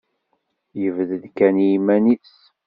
Yebded kan i yiman-nnes.